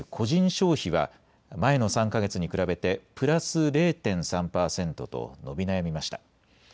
消費は前の３か月に比べてプラス０．３％と伸び悩みました。